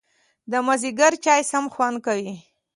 د مازیګر چای سم خوند کوي